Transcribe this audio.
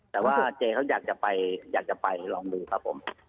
แต่ว่าเจเขาอยากจะไปอยากจะไปลองดูครับผม